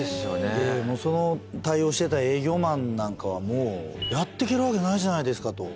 でその対応をしてた営業マンなんかはもう「やっていけるわけないじゃないですか！」と。